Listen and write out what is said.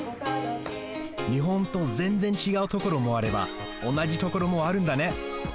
日本とぜんぜんちがうところもあればおなじところもあるんだね。